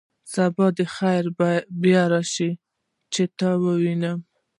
او سبا له خیره بیا راشه، چې تا ووینو.